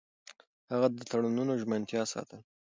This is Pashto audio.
هغه د تړونونو ژمنتيا ساتله.